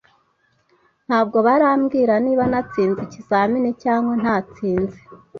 Ntabwo barambwira niba natsinze ikizamini cyangwa ntatsinze.